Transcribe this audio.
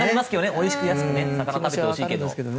おいしく安く魚食べてほしいけど。